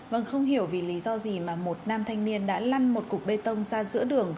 vâng không hiểu vì lý do gì mà một nam thanh niên đã lăn một cục bê tông ra giữa đường